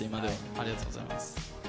ありがとうございます。